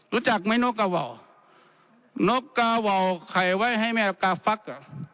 รู้จักไหมนกกาว่าวนกกาว่าวเหค่ยไว้ให้แม่คาเฟล็ก